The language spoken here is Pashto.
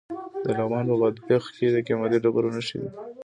د لغمان په بادپخ کې د قیمتي ډبرو نښې دي.